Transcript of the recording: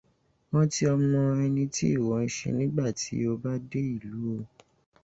Rántí ọmọ ẹni tí ìwọ ṣe nígbàtí o bá dé ìlú o.